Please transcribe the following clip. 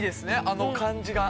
あの感じが。